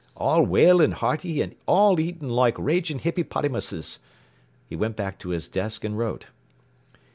All well an' hearty an' all eatin' loike ragin' hippypottymusses. He went back to his desk and wrote.